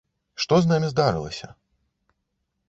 Што з намі здарылася?